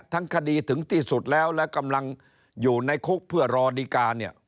ทั้งคดีถึงที่สุดแล้วและกำลังอยู่ในคุกเพื่อรอดีการเนี่ย